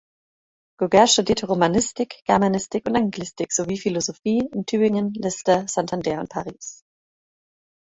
Gauger studierte Romanistik, Germanistik und Anglistik sowie Philosophie in Tübingen, Leicester, Santander und Paris.